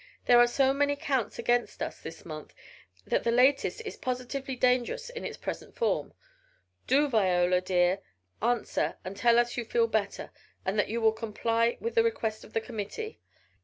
There are so many counts against us this month that the latest is positively dangerous in its present form. Do Viola, dear, answer, and tell us you feel better and that you will comply with the request of the committee.